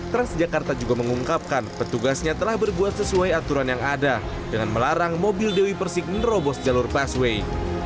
transjakarta juga mengungkapkan petugasnya telah berbuat sesuai aturan yang ada dengan melarang mobil dewi persik menerobos jalur busway